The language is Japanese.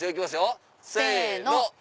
せの！